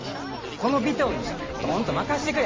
この尾藤にドンと任してくれ！